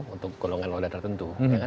untuk golongan loda tertentu